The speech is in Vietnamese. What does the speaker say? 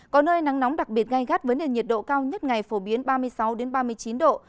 có nơi nắng nóng đặc biệt gai gắt với nền nhiệt độ cao nhất ngày phổ biến ba mươi sáu ba mươi chín độ